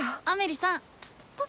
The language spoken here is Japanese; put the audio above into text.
アメリさん！